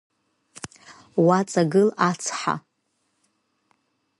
Уаҵагыл ацҳа.